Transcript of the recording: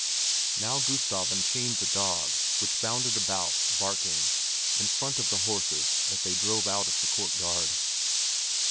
Now Gustav unchained the dog, which bounded about, barking, in front of the horses as they drove out of the courtyard.